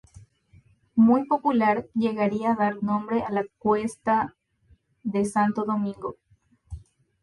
Muy popular, llegaría a dar nombre a la cuesta de Santo Domingo.